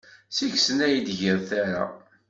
Seg-sen ay d-ggiḍ tara.